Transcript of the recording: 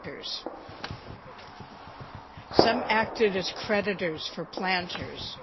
Some acted as creditors for planters.